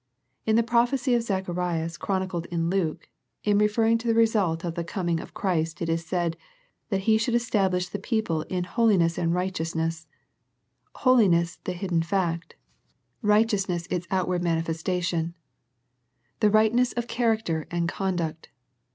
In the prophecy of Zacharias chronicled in Luke, in referring to the result of the coming of Qirist it is said, that He should establish the people in " holiness and righteousness," holiness the hidden fact, righteousness its out The Philadelphia Letter i6i ward manifestation; the Tightness of charac ter and conduct.